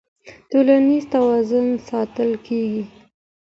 ټولنيز توازن ساتل کيږي.